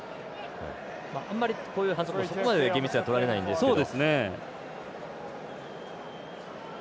あんまり、こういう反則そこまで厳密にはとられないんですけど。